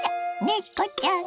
猫ちゃん！